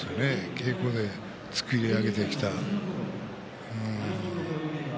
稽古で作り上げてきた。